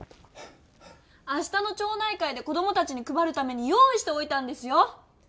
あしたの町内会で子どもたちにくばるために用いしておいたんですよ！